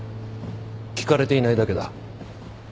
聞かれていないだけだ。